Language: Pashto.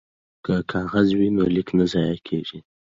که کاغذ وي نو لیک نه ضایع کیږي.